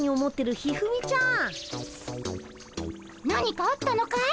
何かあったのかい？